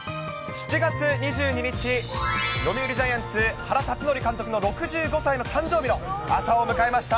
７月２２日、読売ジャイアンツ、原辰徳監督の６５歳の誕生日の朝を迎えました。